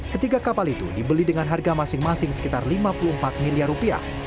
ketiga kapal itu dibeli dengan harga masing masing sekitar lima puluh empat miliar rupiah